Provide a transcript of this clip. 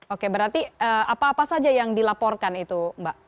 oke berarti apa apa saja yang dilaporkan itu mbak